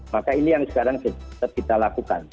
maka ini yang sekarang tetap kita lakukan